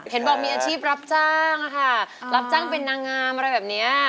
เห็นบอกมีอาชีพรับจ้างค่ะรับจ้างเป็นนางงามอะไรแบบนี้